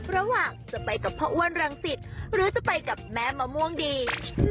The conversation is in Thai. ระหว่างจะไปกับพ่ออ้วนรังสิตหรือจะไปกับแม่มะม่วงดี